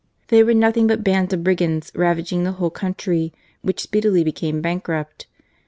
They were nothing but bands of brigands, ravaging the whole country, which speedily became bankrupt.